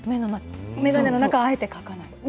眼鏡の中はあえて描かない？